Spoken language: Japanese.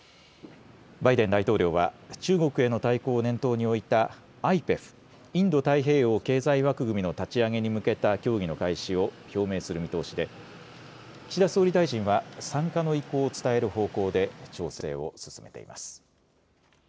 バイデン大統領は中国への対抗を念頭に置いたＩＰＥＦ・インド太平洋経済枠組みの立ち上げに向けた協議の開始を表明する見通しで岸田総理大臣は参加の意向を伝える方向で調整を進めています。